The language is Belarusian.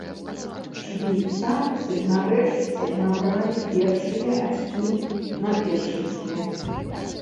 Швейцарцы нарэшце набралі першыя ачкі на першынстве.